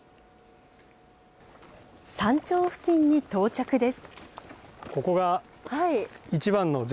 山頂付近に到着です。